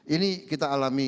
ini kita alami